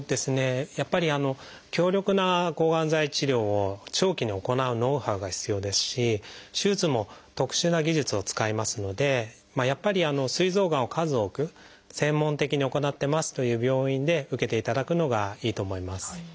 やっぱり強力な抗がん剤治療を長期に行うノウハウが必要ですし手術も特殊な技術を使いますのでやっぱりすい臓がんを数多く専門的に行ってますという病院で受けていただくのがいいと思います。